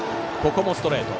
ここもストレート。